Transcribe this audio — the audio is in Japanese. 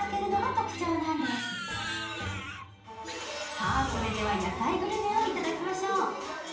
さぁ、それでは屋台グルメをいただきましょう。